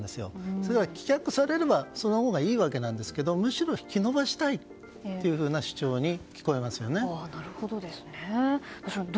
それが棄却されればそのほうがいいわけなんですけどむしろ引き延ばしたいというようななるほど。